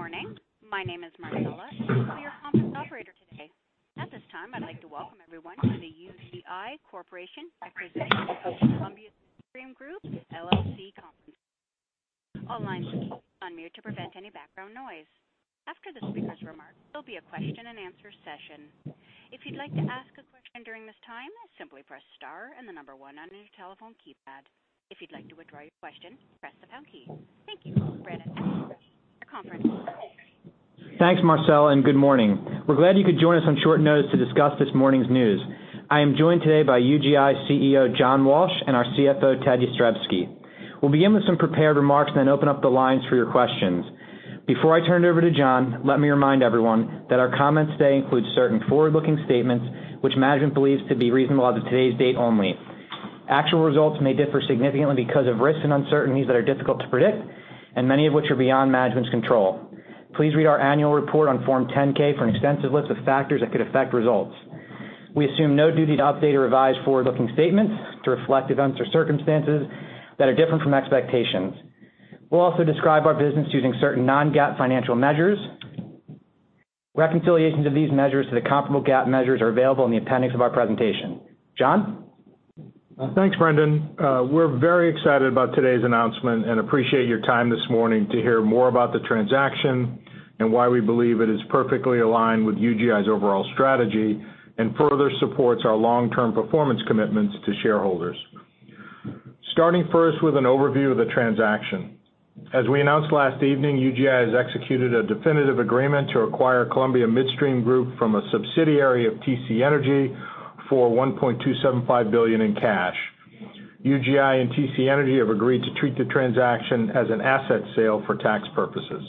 Good morning. My name is Marcella, your conference operator today. At this time, I'd like to welcome everyone to the UGI Corporation representing of Columbia Midstream Group, LLC conference. All lines are unmuted to prevent any background noise. After the speaker's remarks, there'll be a question and answer session. If you'd like to ask a question during this time, simply press star and the number 1 on your telephone keypad. If you'd like to withdraw your question, press the pound key. Thank you. Brendan, your conference. Thanks, Marcella. Good morning. We're glad you could join us on short notice to discuss this morning's news. I am joined today by UGI CEO John Walsh and our CFO Ted Jastrebski. We'll begin with some prepared remarks, then open up the lines for your questions. Before I turn it over to John, let me remind everyone that our comments today include certain forward-looking statements which management believes to be reasonable as of today's date only. Actual results may differ significantly because of risks and uncertainties that are difficult to predict, and many of which are beyond management's control. Please read our annual report on Form 10-K for an extensive list of factors that could affect results. We assume no duty to update or revise forward-looking statements to reflect events or circumstances that are different from expectations. We'll also describe our business using certain non-GAAP financial measures. Reconciliations of these measures to the comparable GAAP measures are available in the appendix of our presentation. John? Thanks, Brendan. We're very excited about today's announcement and appreciate your time this morning to hear more about the transaction and why we believe it is perfectly aligned with UGI's overall strategy and further supports our long-term performance commitments to shareholders. Starting first with an overview of the transaction. As we announced last evening, UGI has executed a definitive agreement to acquire Columbia Midstream Group from a subsidiary of TC Energy for $1.275 billion in cash. UGI and TC Energy have agreed to treat the transaction as an asset sale for tax purposes.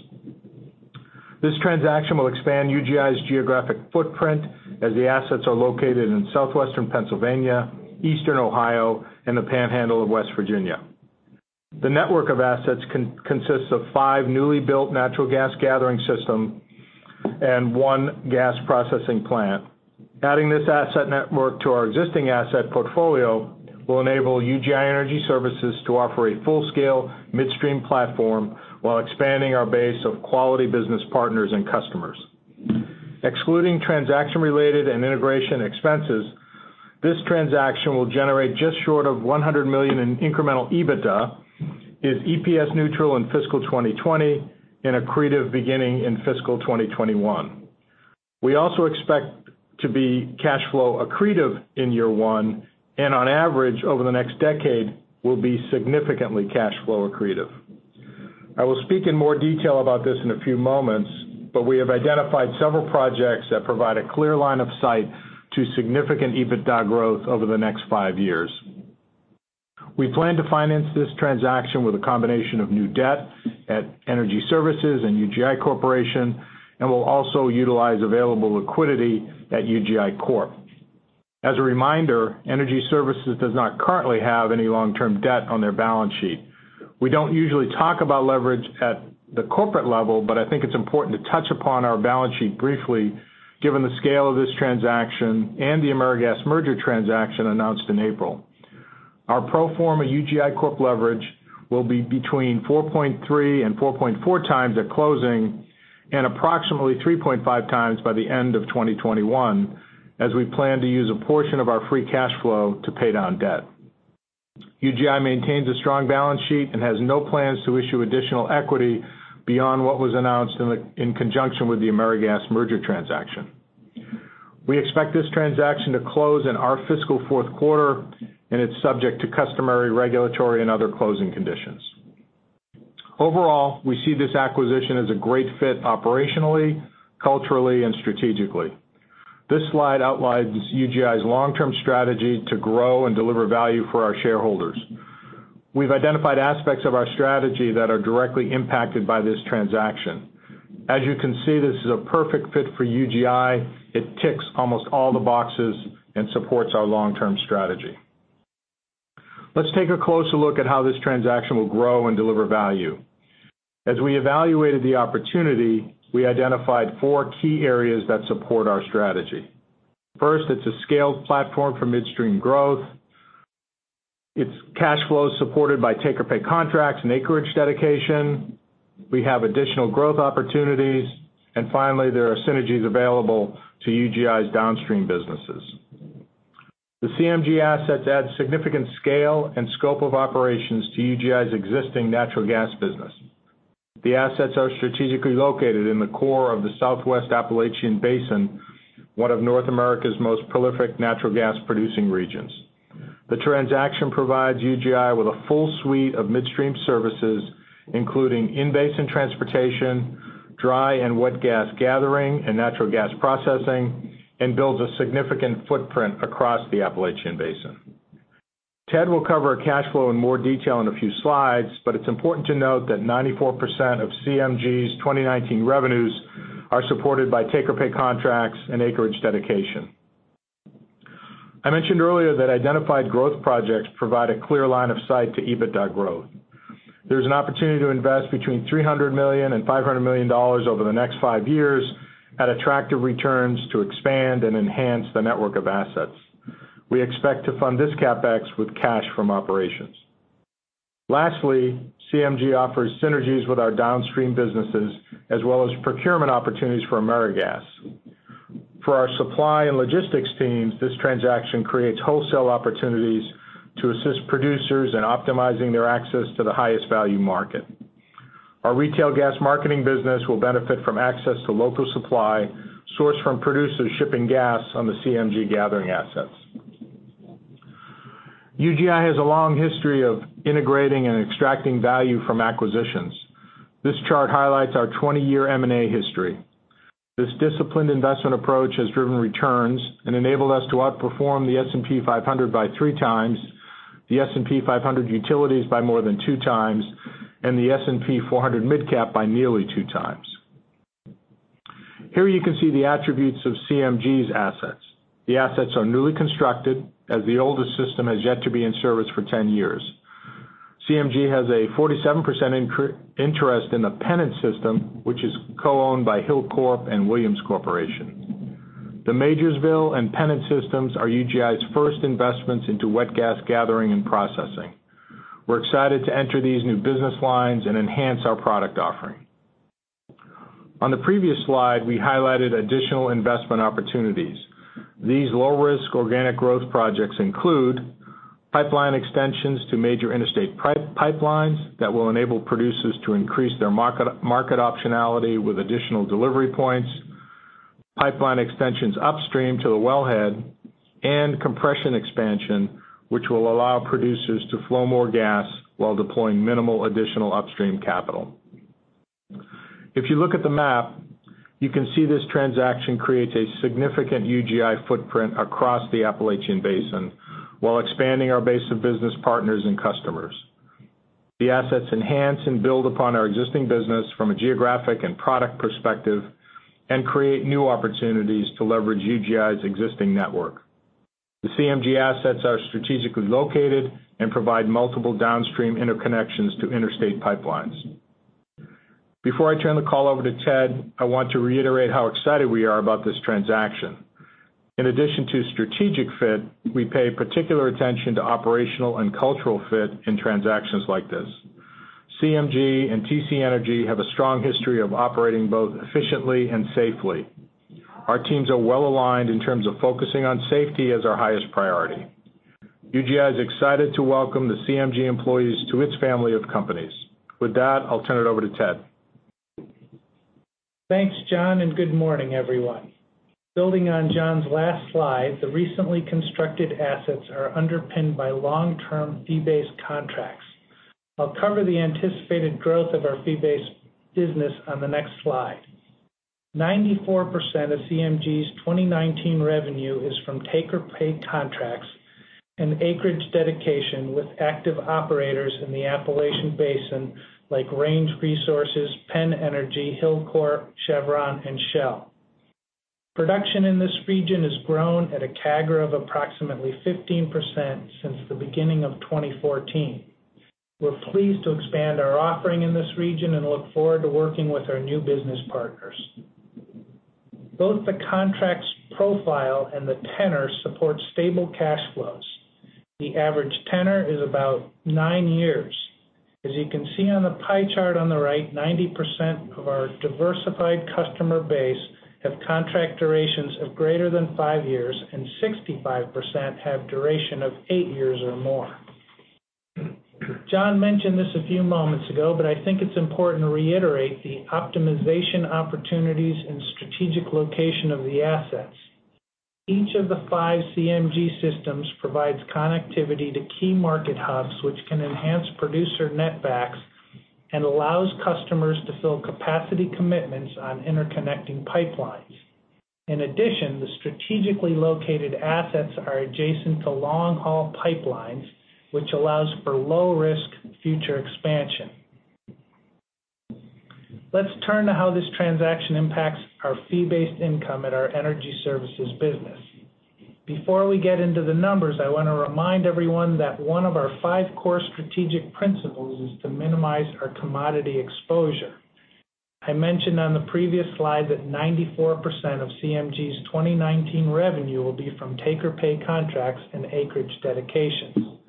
This transaction will expand UGI's geographic footprint as the assets are located in Southwestern Pennsylvania, Eastern Ohio, and the panhandle of West Virginia. The network of assets consists of five newly built natural gas gathering system and one gas processing plant. Adding this asset network to our existing asset portfolio will enable UGI Energy Services to offer a full-scale midstream platform while expanding our base of quality business partners and customers. Excluding transaction-related and integration expenses, this transaction will generate just short of $100 million in incremental EBITDA, is EPS neutral in fiscal 2020, and accretive beginning in fiscal 2021. We also expect to be cash flow accretive in year one, and on average, over the next decade, will be significantly cash flow accretive. I will speak in more detail about this in a few moments, but we have identified several projects that provide a clear line of sight to significant EBITDA growth over the next five years. We plan to finance this transaction with a combination of new debt at Energy Services and UGI Corporation, and we'll also utilize available liquidity at UGI Corp. As a reminder, Energy Services does not currently have any long-term debt on their balance sheet. We don't usually talk about leverage at the corporate level, but I think it's important to touch upon our balance sheet briefly, given the scale of this transaction and the AmeriGas merger transaction announced in April. Our pro forma UGI Corp leverage will be between 4.3 and 4.4 times at closing and approximately 3.5 times by the end of 2021, as we plan to use a portion of our free cash flow to pay down debt. UGI maintains a strong balance sheet and has no plans to issue additional equity beyond what was announced in conjunction with the AmeriGas merger transaction. We expect this transaction to close in our fiscal fourth quarter, and it's subject to customary regulatory and other closing conditions. Overall, we see this acquisition as a great fit operationally, culturally, and strategically. This slide outlines UGI's long-term strategy to grow and deliver value for our shareholders. We've identified aspects of our strategy that are directly impacted by this transaction. As you can see, this is a perfect fit for UGI. It ticks almost all the boxes and supports our long-term strategy. Let's take a closer look at how this transaction will grow and deliver value. As we evaluated the opportunity, we identified four key areas that support our strategy. First, it's a scaled platform for midstream growth. Its cash flow is supported by take-or-pay contracts and acreage dedication. We have additional growth opportunities. Finally, there are synergies available to UGI's downstream businesses. The CMG assets add significant scale and scope of operations to UGI's existing natural gas business. The assets are strategically located in the core of the Southwest Appalachian Basin, one of North America's most prolific natural gas-producing regions. The transaction provides UGI with a full suite of midstream services, including in-basin transportation, dry and wet gas gathering, and natural gas processing, and builds a significant footprint across the Appalachian Basin. Ted will cover cash flow in more detail in a few slides, but it's important to note that 94% of CMG's 2019 revenues are supported by take-or-pay contracts and acreage dedication. I mentioned earlier that identified growth projects provide a clear line of sight to EBITDA growth. There's an opportunity to invest between $300 million and $500 million over the next five years at attractive returns to expand and enhance the network of assets. We expect to fund this CapEx with cash from operations. Lastly, CMG offers synergies with our downstream businesses, as well as procurement opportunities for AmeriGas. For our supply and logistics teams, this transaction creates wholesale opportunities to assist producers in optimizing their access to the highest value market. Our retail gas marketing business will benefit from access to local supply, sourced from producers shipping gas on the CMG gathering assets. UGI has a long history of integrating and extracting value from acquisitions. This chart highlights our 20-year M&A history. This disciplined investment approach has driven returns and enabled us to outperform the S&P 500 by three times, the S&P 500 Utilities by more than two times, and the S&P 400 Mid-Cap by nearly two times. Here you can see the attributes of CMG's assets. The assets are newly constructed, as the oldest system has yet to be in service for 10 years. CMG has a 47% interest in the Pennant system, which is co-owned by Hilcorp and Williams Corporation. The Majorsville and Pennant systems are UGI's first investments into wet gas gathering and processing. We're excited to enter these new business lines and enhance our product offering. On the previous slide, we highlighted additional investment opportunities. These low-risk organic growth projects include pipeline extensions to major interstate pipelines that will enable producers to increase their market optionality with additional delivery points, pipeline extensions upstream to the wellhead, and compression expansion, which will allow producers to flow more gas while deploying minimal additional upstream capital. If you look at the map, you can see this transaction creates a significant UGI footprint across the Appalachian Basin, while expanding our base of business partners and customers. The assets enhance and build upon our existing business from a geographic and product perspective and create new opportunities to leverage UGI's existing network. The CMG assets are strategically located and provide multiple downstream interconnections to interstate pipelines. Before I turn the call over to Ted, I want to reiterate how excited we are about this transaction. In addition to strategic fit, we pay particular attention to operational and cultural fit in transactions like this. CMG and TC Energy have a strong history of operating both efficiently and safely. Our teams are well-aligned in terms of focusing on safety as our highest priority. UGI is excited to welcome the CMG employees to its family of companies. With that, I'll turn it over to Ted. Thanks, John, and good morning, everyone. Building on John's last slide, the recently constructed assets are underpinned by long-term fee-based contracts. I'll cover the anticipated growth of our fee-based business on the next slide. 94% of CMG's 2019 revenue is from take-or-pay contracts and acreage dedication with active operators in the Appalachian Basin like Range Resources, PennEnergy Resources, Hilcorp, Chevron, and Shell. Production in this region has grown at a CAGR of approximately 15% since the beginning of 2014. We're pleased to expand our offering in this region and look forward to working with our new business partners. Both the contracts profile and the tenor support stable cash flows. The average tenor is about nine years. As you can see on the pie chart on the right, 90% of our diversified customer base have contract durations of greater than five years, and 65% have duration of eight years or more. John mentioned this a few moments ago. I think it's important to reiterate the optimization opportunities and strategic location of the assets. Each of the five CMG systems provides connectivity to key market hubs, which can enhance producer netbacks and allows customers to fill capacity commitments on interconnecting pipelines. In addition, the strategically located assets are adjacent to long-haul pipelines, which allows for low-risk future expansion. Let's turn to how this transaction impacts our fee-based income at our energy services business. Before we get into the numbers, I want to remind everyone that one of our five core strategic principles is to minimize our commodity exposure. I mentioned on the previous slide that 94% of CMG's 2019 revenue will be from take-or-pay contracts and acreage dedications.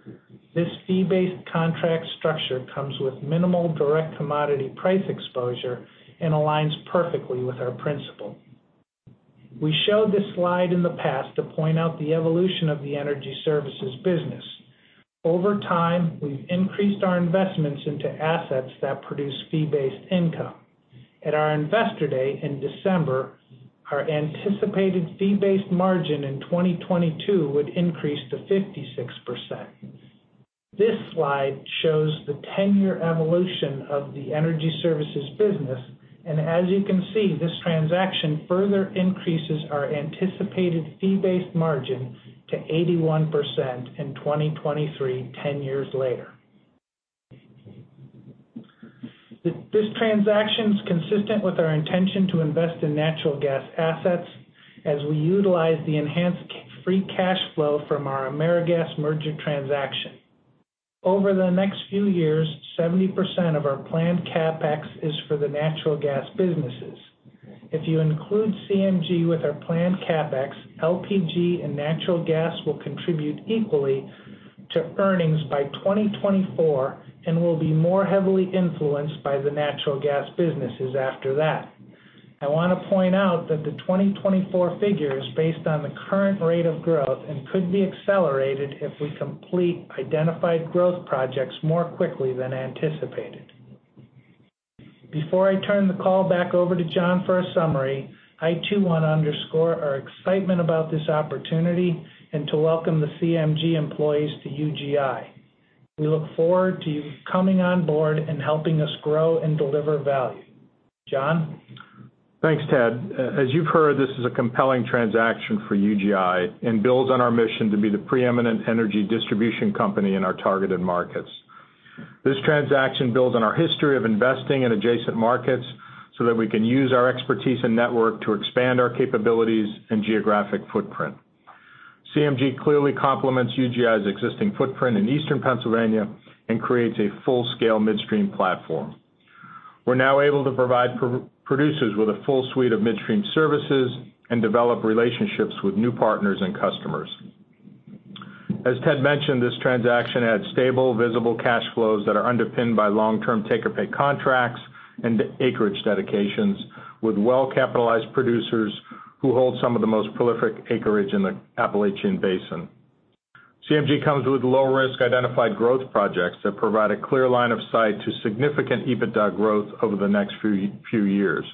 This fee-based contract structure comes with minimal direct commodity price exposure and aligns perfectly with our principle. We showed this slide in the past to point out the evolution of the energy services business. Over time, we've increased our investments into assets that produce fee-based income. At our Investor Day in December, our anticipated fee-based margin in 2022 would increase to 56%. This slide shows the 10-year evolution of the energy services business. As you can see, this transaction further increases our anticipated fee-based margin to 81% in 2023, 10 years later. This transaction is consistent with our intention to invest in natural gas assets as we utilize the enhanced free cash flow from our AmeriGas merger transaction. Over the next few years, 70% of our planned CapEx is for the natural gas businesses. If you include CMG with our planned CapEx, LPG and natural gas will contribute equally to earnings by 2024, and will be more heavily influenced by the natural gas businesses after that. I want to point out that the 2024 figure is based on the current rate of growth and could be accelerated if we complete identified growth projects more quickly than anticipated. Before I turn the call back over to John for a summary, I too want to underscore our excitement about this opportunity and to welcome the CMG employees to UGI. We look forward to you coming on board and helping us grow and deliver value. John? Thanks, Ted. As you've heard, this is a compelling transaction for UGI and builds on our mission to be the pre-eminent energy distribution company in our targeted markets. This transaction builds on our history of investing in adjacent markets so that we can use our expertise and network to expand our capabilities and geographic footprint. CMG clearly complements UGI's existing footprint in Eastern Pennsylvania and creates a full-scale midstream platform. We're now able to provide producers with a full suite of midstream services and develop relationships with new partners and customers. As Ted mentioned, this transaction adds stable, visible cash flows that are underpinned by long-term take-or-pay contracts and acreage dedications with well-capitalized producers who hold some of the most prolific acreage in the Appalachian Basin. CMG comes with low-risk identified growth projects that provide a clear line of sight to significant EBITDA growth over the next few years.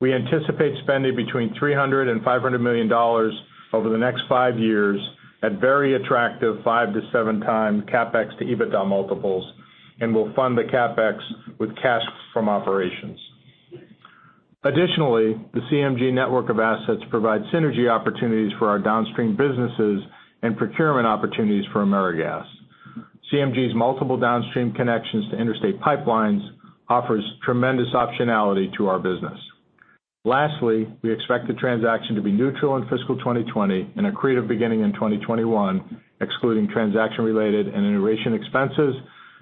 We anticipate spending between $300 million and $500 million over the next five years at very attractive 5x to 7x CapEx to EBITDA multiples. We'll fund the CapEx with cash from operations. Additionally, the CMG network of assets provide synergy opportunities for our downstream businesses and procurement opportunities for AmeriGas. CMG's multiple downstream connections to interstate pipelines offers tremendous optionality to our business. Lastly, we expect the transaction to be neutral in fiscal 2020 and accretive beginning in 2021, excluding transaction-related and integration expenses.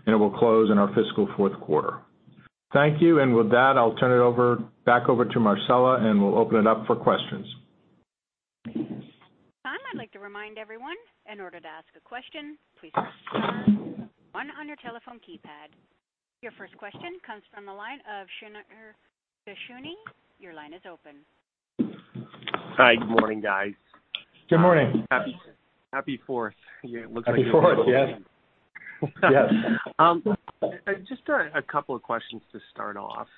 It will close in our fiscal fourth quarter. Thank you. With that, I'll turn it back over to Marcella, and we'll open it up for questions. At this time, I'd like to remind everyone, in order to ask a question, please press star one on your telephone keypad. Your first question comes from the line of Shneur Gershuni. Your line is open. Hi. Good morning, guys. Good morning. Happy Fourth. Happy Fourth. Yes. Yes. A couple of questions to start off.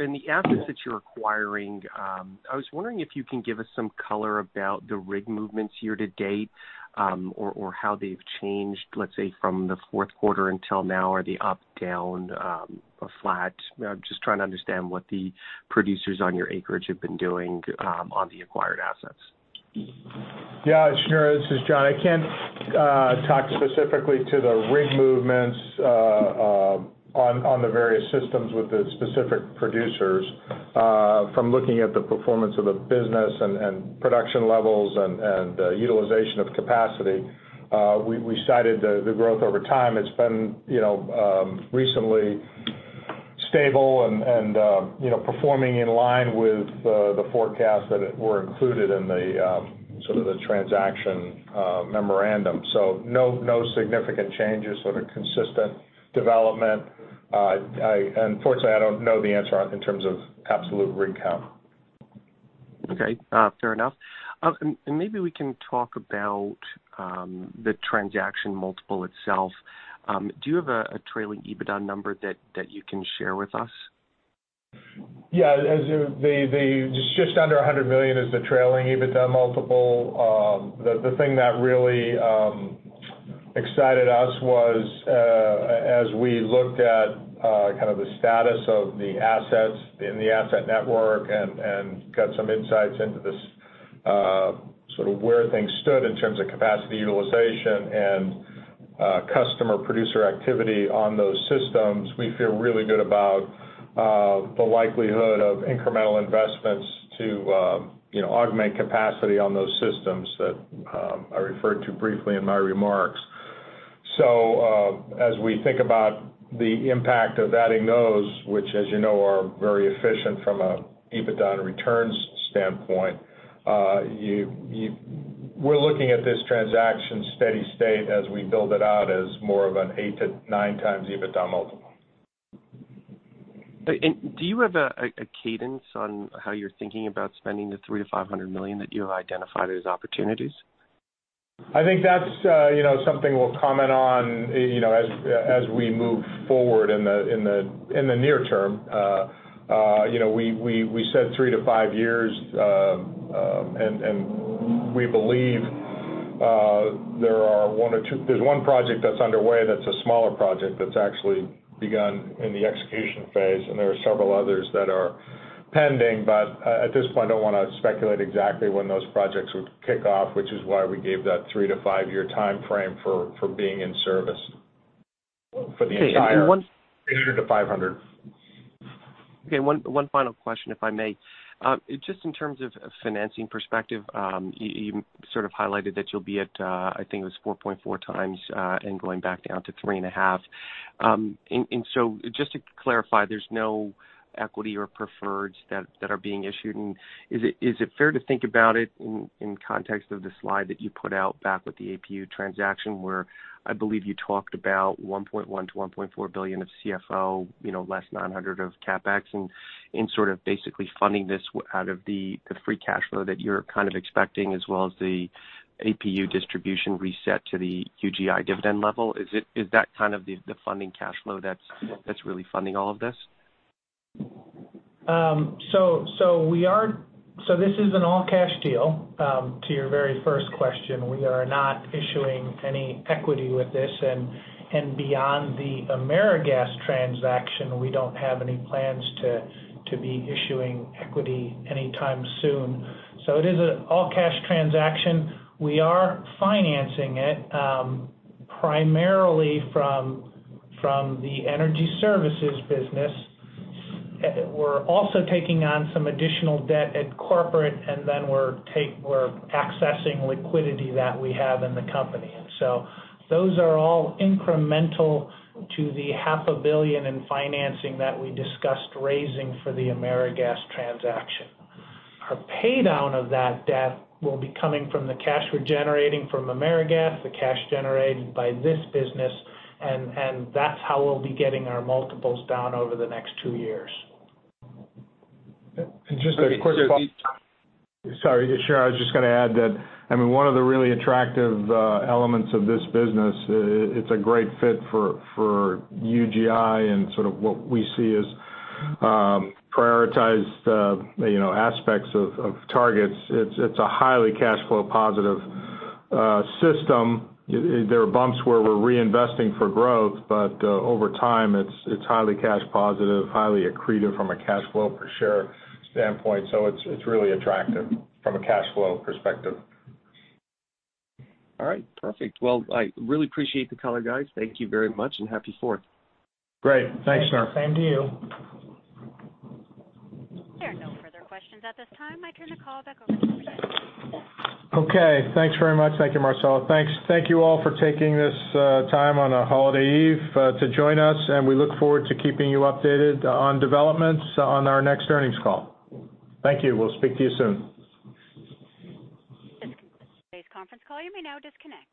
In the assets that you're acquiring, I was wondering if you can give us some color about the rig movements year-to-date or how they've changed, let's say, from the fourth quarter until now, are they up, down, or flat? Trying to understand what the producers on your acreage have been doing on the acquired assets. Shneur, this is John. I can't talk specifically to the rig movements on the various systems with the specific producers. From looking at the performance of the business and production levels and utilization of capacity, we cited the growth over time. It's been recently stable and performing in line with the forecasts that were included in the transaction memorandum. No significant changes. Sort of consistent development. Unfortunately, I don't know the answer in terms of absolute rig count. Okay. Fair enough. Maybe we can talk about the transaction multiple itself. Do you have a trailing EBITDA number that you can share with us? Yeah. Just under $100 million is the trailing EBITDA multiple. The thing that really excited us was as we looked at the status of the assets in the asset network and got some insights into this, sort of where things stood in terms of capacity utilization and customer-producer activity on those systems, we feel really good about the likelihood of incremental investments to augment capacity on those systems that I referred to briefly in my remarks. As we think about the impact of adding those, which as you know, are very efficient from a EBITDA and returns standpoint, we're looking at this transaction steady state as we build it out as more of an 8 to 9 times EBITDA multiple. Do you have a cadence on how you're thinking about spending the $300 million-$500 million that you have identified as opportunities? I think that's something we'll comment on as we move forward in the near term. We said 3 to 5 years. We believe there's one project that's underway that's a smaller project that's actually begun in the execution phase, and there are several others that are pending. At this point, I don't want to speculate exactly when those projects would kick off, which is why we gave that 3 to 5-year timeframe for being in service for the entire- And one- Three hundred to five hundred Okay. One final question, if I may. Just in terms of financing perspective, you sort of highlighted that you'll be at, I think it was 4.4 times, going back down to 3.5. Just to clarify, there's no equity or preferreds that are being issued, and is it fair to think about it in context of the slide that you put out back with the APL transaction where I believe you talked about $1.1 billion-$1.4 billion of CFO, less $900 million of CapEx, and sort of basically funding this out of the free cash flow that you're kind of expecting, as well as the APL distribution reset to the UGI dividend level? Is that kind of the funding cash flow that's really funding all of this? This is an all-cash deal. To your very first question, we are not issuing any equity with this, and beyond the AmeriGas transaction, we don't have any plans to be issuing equity anytime soon. It is an all-cash transaction. We are financing it primarily from the energy services business. We're also taking on some additional debt at corporate, and then we're accessing liquidity that we have in the company. Those are all incremental to the half a billion in financing that we discussed raising for the AmeriGas transaction. Our pay-down of that debt will be coming from the cash we're generating from AmeriGas, the cash generated by this business, and that's how we'll be getting our multiples down over the next two years. One of the really attractive elements of this business, it's a great fit for UGI and sort of what we see as prioritized aspects of targets. It's a highly cash flow positive system. There are bumps where we're reinvesting for growth, but over time, it's highly cash positive, highly accretive from a cash flow per share standpoint. It's really attractive from a cash flow perspective. All right. Perfect. Well, I really appreciate the color, guys. Thank you very much, and happy Fourth. Great. Thanks, Shneur. Same to you. There are no further questions at this time. I turn the call back over to you, sir. Okay. Thanks very much. Thank you, Marcella. Thanks you all for taking this time on a holiday eve to join us, and we look forward to keeping you updated on developments on our next earnings call. Thank you. We'll speak to you soon. This concludes today's conference call. You may now disconnect.